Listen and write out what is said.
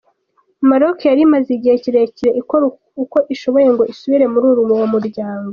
Maroc yari imaze igihe kirekire ikora uko ishoboye ngo isubire muri uwo muryango.